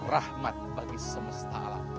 rahmat bagi semesta alam